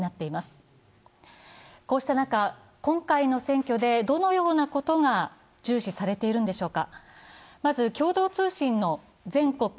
こうした中、今回の選挙でどのようなことが重視されているんでしょうか？